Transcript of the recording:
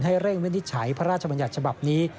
เร่งวินิจฉัยพระราชบัญญัติฉบับนี้